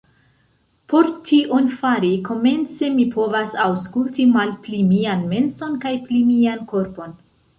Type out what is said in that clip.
Por tion fari, komence mi povas aŭskulti malpli mian menson kaj pli mian korpon.